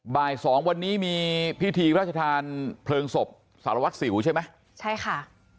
บ่ายสองวันนี้มีพิธีราชทานเพลิงศพสารวัตรสิวใช่ไหมใช่ค่ะ